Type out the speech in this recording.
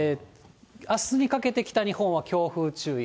あすにかけて北日本は強風注意。